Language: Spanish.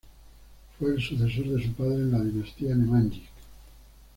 Fue el sucesor de su padre en la dinastía Nemanjić.